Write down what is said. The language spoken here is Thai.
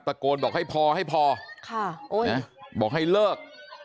ตะโกนบอกให้พอให้พอบอกให้เลิก